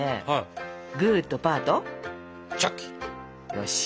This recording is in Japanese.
よし。